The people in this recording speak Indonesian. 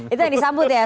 itu yang disambut ya